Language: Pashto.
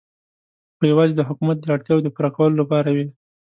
خو یوازې د حکومت د اړتیاوو د پوره کولو لپاره وې.